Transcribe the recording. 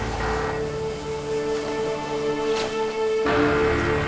sangnya kquau si papa sendiri